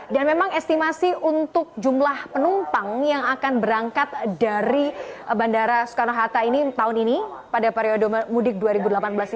dan memang estimasi untuk jumlah penumpang yang akan berangkat dari bandara soekarno hatta ini tahun ini pada periode mudik dua ribu delapan belas ini